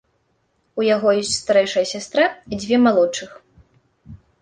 У яго ёсць старэйшая сястра і дзве малодшых.